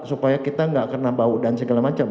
supaya kita nggak kena bau dan segala macam